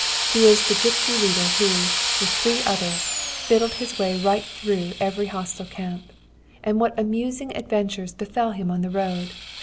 He was the gipsy leader who, with three others, fiddled his way right through every hostile camp. And what amusing adventures befell him on the road!